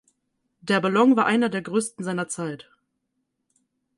Der Ballon war einer der größten seiner Zeit.